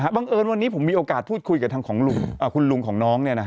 บังเอิญวันนี้ผมมีโอกาสพูดคุยกับทางคุณลุงของน้อง